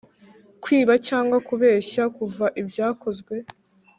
kwiba cyangwa kubeshya Kuva Ibyakozwe